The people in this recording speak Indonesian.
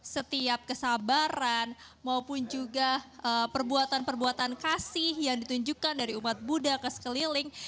setiap kesabaran maupun juga perbuatan perbuatan kasih yang ditunjukkan dari umat buddha ke sekeliling